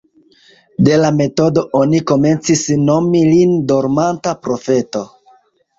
De la metodo oni komencis nomi lin dormanta profeto.